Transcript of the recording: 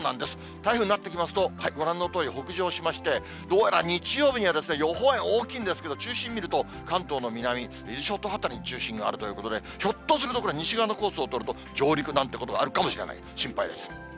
台風になってきますと、ご覧のとおり、北上しまして、どうやら日曜日には、予報円、大きいんですけれども、中心見ると、関東の南、伊豆諸島辺りに中心があるということで、ひょっとするとこれ、西側のコースを通ると、上陸なんてことがあるかもしれない、心配です。